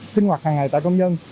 sinh hoạt hàng ngày tại công nhân